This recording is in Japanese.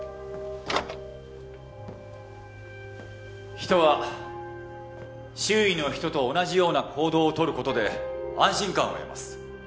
人は周囲の人と同じような行動を取る事で安心感を得ます。